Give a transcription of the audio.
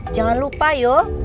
jangan lupa yuk